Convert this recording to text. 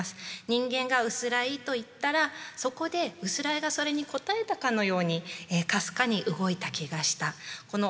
人間が「うすらい」と言ったらそこでうすらいがそれに応えたかのように微かに動いた気がした。